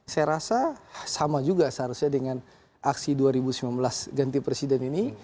saya rasa sama juga seharusnya dengan aksi dua ribu sembilan belas ganti presiden ini